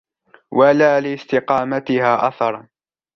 وَلَا لِاسْتِقَامَتِهَا أَثَرًا